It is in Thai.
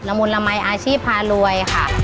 ละมุนละไม้อาชีพพารวย